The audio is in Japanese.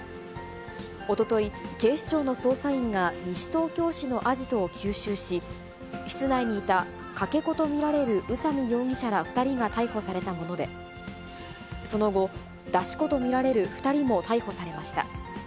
おととい、警視庁の捜査員が西東京市のアジトを急襲し、室内にいた、かけ子と見られる宇佐美容疑者ら２人が逮捕されたもので、その後、出し子と見られる２人も逮捕されました。